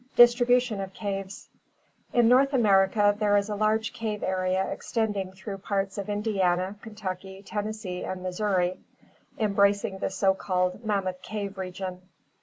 Distribution of Caves. — In North America there is a large cave area extending through parts of Indiana, Kentucky, Tennessee, and Missouri, embracing the so called Mammoth Cave region.